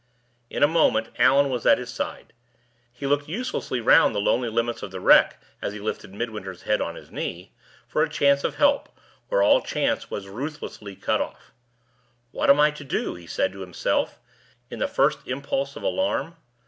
In a moment Allan was at his side. He looked uselessly round the lonely limits of the wreck, as he lifted Midwinter's head on his knee, for a chance of help, where all chance was ruthlessly cut off. "What am I to do?" he said to himself, in the first impulse of alarm.